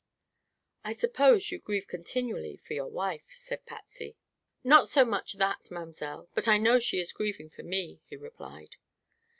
"I suppose you grieve continually for your wife," said Patsy. "Not so much that, mamselle, but I know she is grieving for me," he replied.